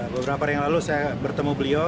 beberapa hari yang lalu saya bertemu beliau